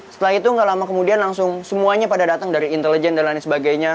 setelah itu gak lama kemudian langsung semuanya pada datang dari intelijen dan lain sebagainya